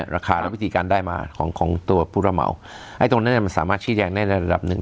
ราคาและวิธีการได้มาของของตัวผู้ระเหมาไอ้ตรงนั้นเนี่ยมันสามารถชี้แจงได้ระดับหนึ่ง